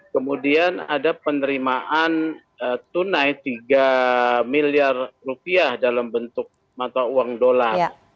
kemudian ada penerimaan tunai tiga miliar rupiah dalam bentuk mata uang dolar